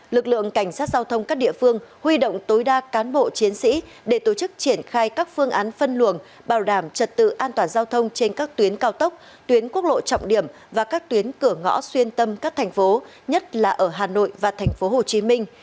lực lượng cảnh sát giao thông các địa phương huy động tối đa cán bộ chiến sĩ để tổ chức triển khai các phương án phân luồng bảo đảm trật tự an toàn giao thông trên các tuyến cao tốc tuyến quốc lộ trọng điểm và các tuyến cửa ngõ xuyên tâm các thành phố nhất là ở hà nội và thành phố hồ chí minh